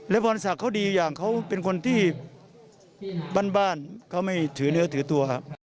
และพรศักดิ์เขาดีอยู่อย่างเขาเป็นคนที่บ้านเขาไม่ถือเลือดถือตัว